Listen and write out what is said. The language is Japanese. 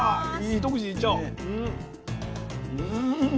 一口でいっちゃおう。